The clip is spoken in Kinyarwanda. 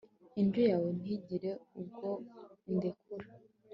indyo yawe ntigire ubwo indekura